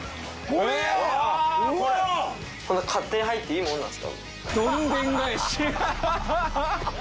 こんな勝手に入っていいもんなんですか？